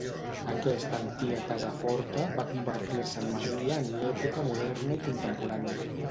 Aquesta antiga casa forta va convertir-se en masia en l'època moderna i contemporània.